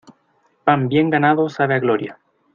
Pan bien ganado, sabe a gloria.